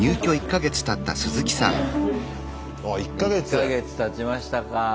１か月たちましたか。